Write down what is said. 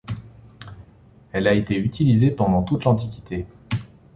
Elle a été utilisée pendant toute l'Antiquité.